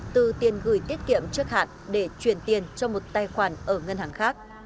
từ tiền gửi tiết kiệm trước hạn để chuyển tiền cho một tài khoản ở ngân hàng khác